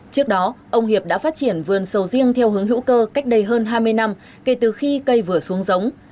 trước đó ông hiệp đã phát triển vườn sầu riêng theo hướng hữu cơ cách đây hơn hai mươi năm kể từ khi cây vừa xuống giống